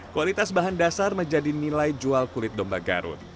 kualitas bahan dasar menjadi nilai jual kulit domba garut